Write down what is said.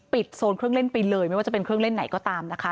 โซนเครื่องเล่นไปเลยไม่ว่าจะเป็นเครื่องเล่นไหนก็ตามนะคะ